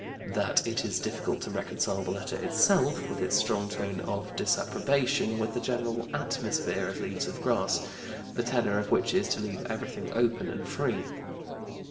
That it is difficult to reconcile the letter itself (with its strong tone of disapprobation) with the general 'atmosphere' of Leaves of Grass, the tenor of which is to leave everything open and free.